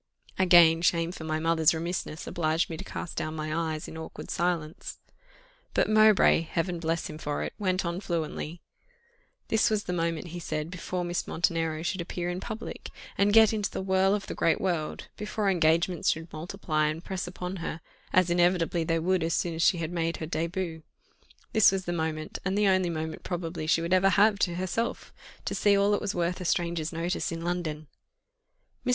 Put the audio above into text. Again shame for my mother's remissness obliged me to cast down my eyes in awkward silence. But Mowbray, Heaven bless him for it! went on fluently. This was the moment, he said, before Miss Montenero should appear in public, and get into the whirl of the great world, before engagements should multiply and press upon her, as inevitably they would as soon as she had made her début this was the moment, and the only moment probably she would ever have to herself, to see all that was worth a stranger's notice in London. Mr.